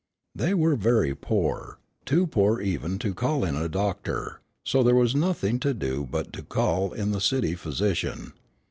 They were very poor too poor even to call in a doctor, so there was nothing to do but to call in the city physician.